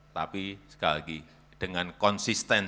tapi sekali lagi dengan konsisten